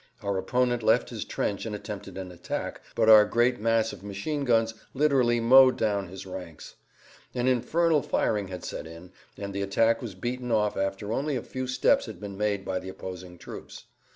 Our opponent left his trench and attempted an attack, but our great mass of machine guns literally mowed down his ranks. An infernal firing had set in, and the attack was beaten off after only a few steps had been made by the opposing troops.